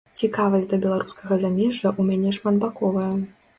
Цікавасць да беларускага замежжа ў мяне шматбаковая.